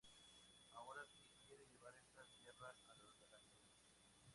Ahora se quiere llevar esas guerras a las galaxias.